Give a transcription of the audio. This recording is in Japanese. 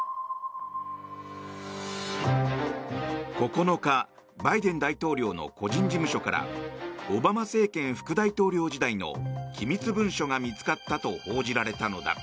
９日、バイデン大統領の個人事務所からオバマ政権副大統領時代の機密文書が見つかったと報じられたのだ。